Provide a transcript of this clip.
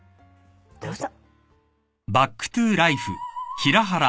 どうぞ。